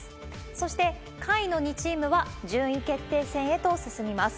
そして、下位の２チームは順位決定戦へと進みます。